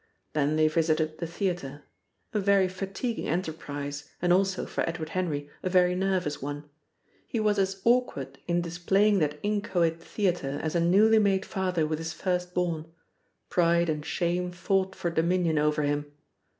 Then they visited the theatre a very fatiguing enterprise, and also, for Edward Henry, a very nervous one. He was as awkward in displaying that inchoate theatre as a newly made father with his first born. Pride and shame fought for dominion over him.